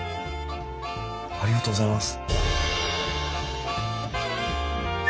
ありがとうございます。